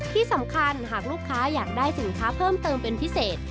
ที่สำคัญหากลูกค้าอยากได้สินค้าเพิ่มเติมเป็นพิเศษ